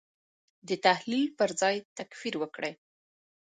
د تحلیل پر ځای تکفیر وکړي.